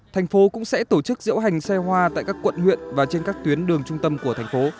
thành phố cũng sẽ tổ chức diễu hành xe hoa tại các quận huyện và trên các tuyến đường trung tâm của thành phố